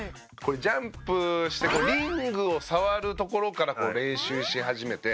ジャンプしてリングを触るところから練習し始めて。